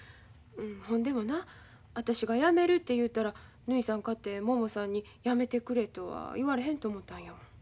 ほんでもな私がやめるて言うたらぬひさんかてももさんにやめてくれとは言われへんと思ったんやもん。